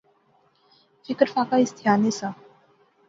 فکر فاقہ اس تھیا نہسا